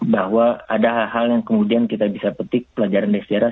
bahwa ada hal hal yang kemudian kita bisa petik pelajaran dari sejarah